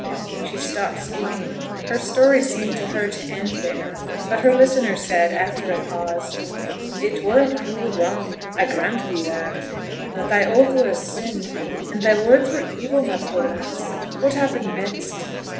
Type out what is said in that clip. She stopped speaking; her story seemed to her to end there. But her listener said, after a pause, 'It were a cruel wrong, I grant thee that; but thy oath were a sin, and thy words were evil, my poor lass. What happened next?'